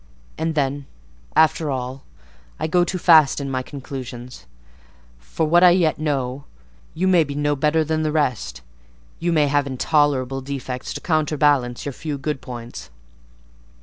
And then, after all, I go too fast in my conclusions: for what I yet know, you may be no better than the rest; you may have intolerable defects to counterbalance your few good points."